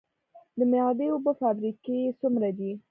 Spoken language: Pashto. د معدني اوبو فابریکې څومره دي؟